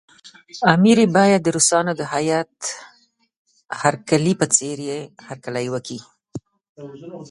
امیر یې باید د روسانو د هیات هرکلي په څېر هرکلی وکړي.